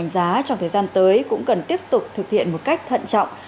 giá trong thời gian tới cũng cần tiếp tục thực hiện một cách thận trọng